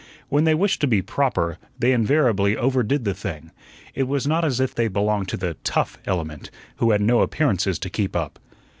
When they wished to be "proper," they invariably overdid the thing. It was not as if they belonged to the "tough" element, who had no appearances to keep up.